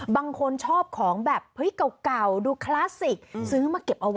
บางคนชอบของแบบเฮ้ยเก่าดูคลาสสิกซื้อมาเก็บเอาไว้